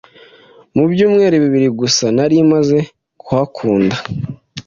mu byumweru bibiri gusa nari maze kuhakunda